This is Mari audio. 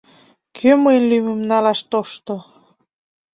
Кӧ мыйын лӱмым налаш тошто?